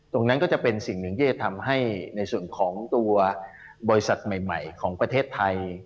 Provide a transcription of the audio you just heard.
ตรงนั้นก็จะเป็นสิ่งหนึ่งที่จะทำให้ในส่วนของตัวบริษัทใหม่ของประเทศไทย